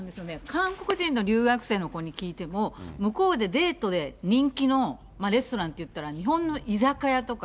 韓国人の留学生の子に聞いても、向こうでデートで人気のレストランっていったら、日本の居酒屋とか、